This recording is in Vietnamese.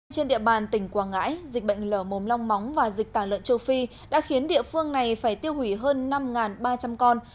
trên địa bàn tỉnh quảng ngãi dịch bệnh lở mồm long móng và dịch tả lợn châu phi đã khiến địa phương này phải tiêu hủy hơn năm ba trăm linh con